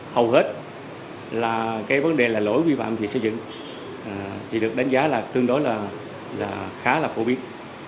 hầu hết lỗi vi phạm về xây dựng được đánh giá là tương đối khá phổ biến